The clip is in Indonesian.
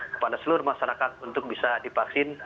kepada seluruh masyarakat untuk bisa divaksin